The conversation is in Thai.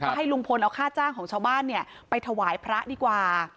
ให้ลุงพลเอาค่าจ้างของชาวบ้านเนี่ยไปถวายพระดีกว่า